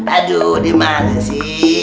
aduh dimana sih